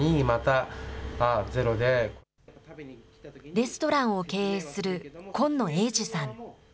レストランを経営する今野詠史さん。